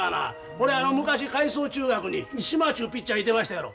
ほれあの昔海草中学に島ちゅうピッチャーいてましたやろ。